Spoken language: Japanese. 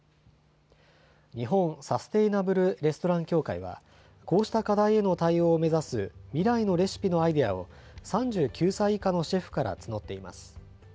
日本サステイナブル・レストラン協会は、こうした課題への対応を目指す、未来のレシピのアイデアを３９歳以下のシェフから募っています。